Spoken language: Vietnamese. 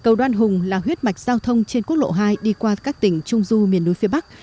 cầu đoan hùng là huyết mạch giao thông trên quốc lộ hai đi qua các tỉnh trung du miền núi phía bắc